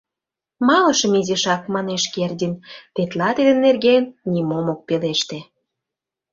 — Малышым изишак, — манеш Кердин, тетла тидын нерген нимом ок пелеште.